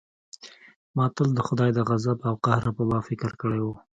ما تل د خداى د غضب او قهر په باب فکر کړى و.